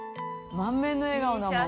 満面の笑顔だもん。